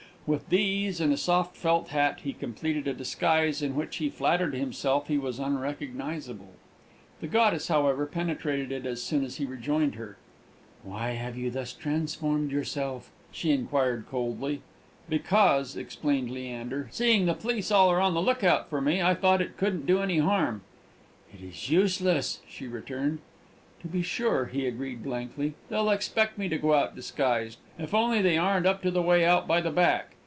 With these, and a soft felt hat, he completed a disguise in which he flattered himself he was unrecognisable. The goddess, however, penetrated it as soon as he rejoined her. "Why have you thus transformed yourself?" she inquired coldly. "Because," explained Leander, "seeing the police are all on the look out for me, I thought it couldn't do any harm." "It is useless!" she returned. "To be sure," he agreed blankly, "they'll expect me to go out disguised. If only they aren't up to the way out by the back!